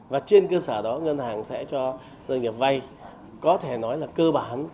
và trên cơ sở đó ngân hàng sẽ cho doanh nghiệp vay có thể nói là cơ bản